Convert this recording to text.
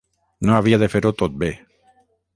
No havia de fer-ho tot bé.